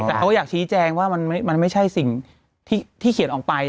แต่เขาก็อยากชี้แจงว่ามันไม่ใช่สิ่งที่เขียนออกไป